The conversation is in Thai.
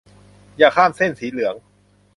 อย่าข้ามเส้นสีเหลือง